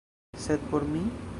Sed por mi?